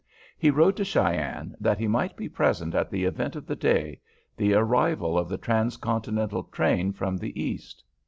He rode to Cheyenne that he might be present at the event of the day, the arrival of the trans continental train from the East.